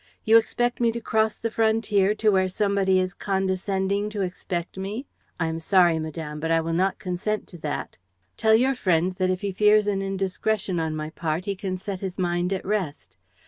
'You expect me to cross the frontier to where somebody is condescending to expect me? I am sorry, madam, but I will not consent to that. Tell your friend that if he fears an indiscretion on my part he can set his mind at rest.